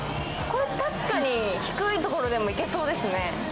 これ、確かに低いところでもいけそうですね。